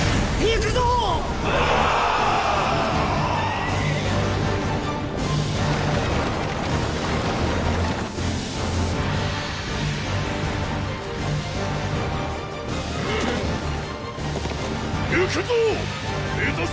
行くぞォ！！